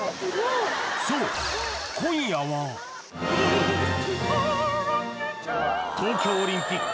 そう東京オリンピック